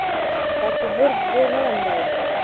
دا کیبورد ډېر نرم دی.